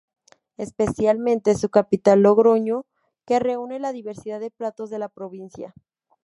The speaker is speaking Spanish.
Especialmente su capital Logroño que reúne la diversidad de platos de la provincia.